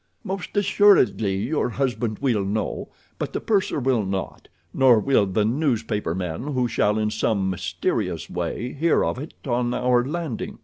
"Most assuredly your husband will know, but the purser will not; nor will the newspaper men who shall in some mysterious way hear of it on our landing.